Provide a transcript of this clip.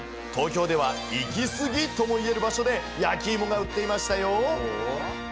東京ではいきすぎとも言える場所で、焼きいもが売っていましたよ。